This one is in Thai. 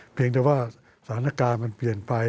เพียงแต่ว่าสถานการณ์มันเปลี่ยนไป